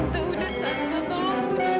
tentu udah terserah tolongku nisa